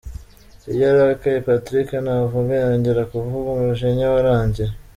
Iyo arakaye, Patrick ntavuga yongera kuvuga umujinya warangiye.